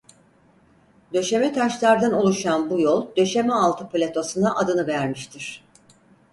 Döşeme taşlardan oluşan bu yol Döşemealtı platosuna adını vermiştir.